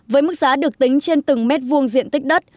với mức giá được tính trên từng mét vuông diện tích đất